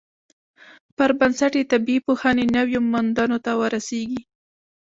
پر بنسټ یې طبیعي پوهنې نویو موندنو ته ورسیږي.